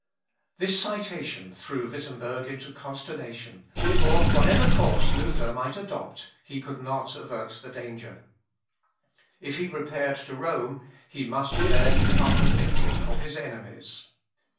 This citation threw Wittemberg into consternation; for whatever course Luther might adopt, he could not avert the danger. If he repaired to Rome he must there become the victim of his enemies.